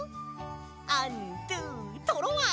アンドゥトロワ！